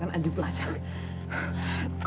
keren di wilayah mereka